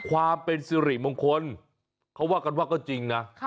ความเป็นสิริมงคลเขาว่ากันว่าก็จริงนะ